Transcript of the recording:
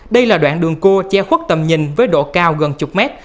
đây là đoạn đường cua che khuất tầm nhìn với độ cao gần chục mét